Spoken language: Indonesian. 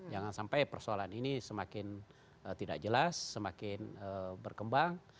jangan sampai persoalan ini semakin tidak jelas semakin berkembang